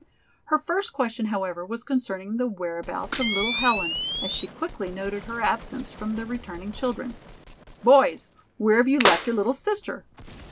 Her first question, however, was concerning the whereabouts of little Helen, as she quickly noted her absence from the returning children. "Boys, where have you left your little sister?"